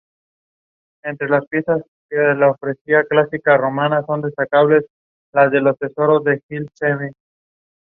Its former name was "Uttara Thana".